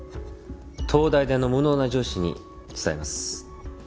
東大出の無能な上司に伝えます。